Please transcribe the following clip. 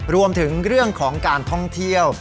รวมถึงเรื่องของการท่องเที่ยว